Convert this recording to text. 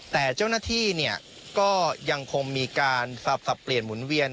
แต่เจ้าหน้าที่ก็ยังคงมีการสับเปลี่ยนหมุนเวียน